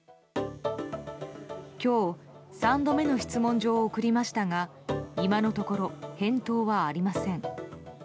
今日、３度目の質問状を送りましたが今のところ返答はありません。